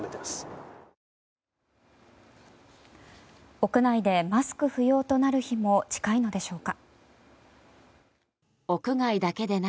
屋内でマスク不要となる日も近いのでしょうか。